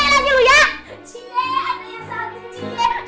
cie ada yang sakit cie